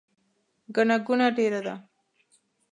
ګڼه ګوڼه ډیره ده